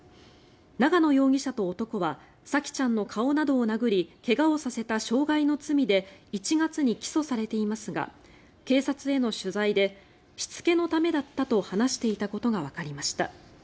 長野容疑者と男は沙季ちゃんの顔などを殴り怪我をさせた傷害の罪で１月に起訴されていますが警察への取材でしつけのためだったと話していたことがわかりました。